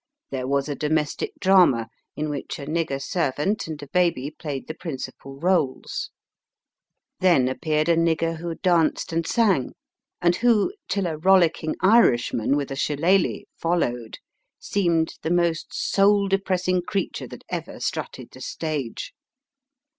There was a domestic drama, in which a nigger servant and a baby played the principal rdles ; then appeared a nigger who danced and Digitized by VjOOQIC 88 EAST BY WEST. sang, and who, till a rollicking Irishman with a shillelagh followed, seemed the most soul depressing creature that ever strutted the stage.